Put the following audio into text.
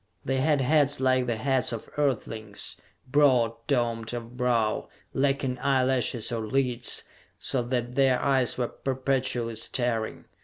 They had heads like the heads of Earthlings, broad domed of brow, lacking eyelashes or lids, so that their eyes were perpetually staring.